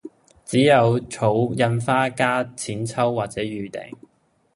只有儲印花加錢抽或者預訂